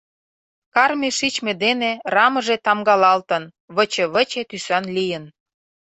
Карме шичме дене рамыже тамгалалтын, выче-выче тӱсан лийын.